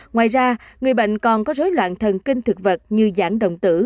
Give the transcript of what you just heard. ngoài ra người bệnh còn có rối loạn thần kinh thực vật như giãn động tử